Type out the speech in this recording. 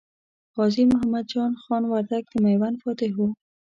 غازي محمد جان خان وردګ د میوند فاتح و.